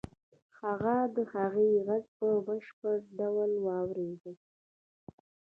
هغه د هغې غږ په بشپړ ډول واورېد.